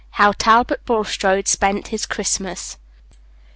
HOW TALBOT BULSTRODE SPENT HIS CHRISTMAS.